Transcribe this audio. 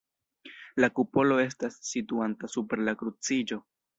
La kupolo estas situanta super la kruciĝo.